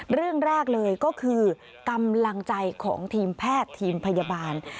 เรื่องแรกเลยก็คือกำลังใจของทีมแพทย์ทีมพยาบาล